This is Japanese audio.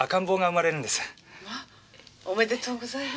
まあおめでとうございます。